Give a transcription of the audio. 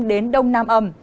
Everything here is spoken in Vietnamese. đến đông nam ẩm